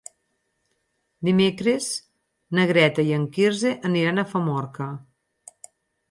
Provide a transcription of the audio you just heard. Dimecres na Greta i en Quirze aniran a Famorca.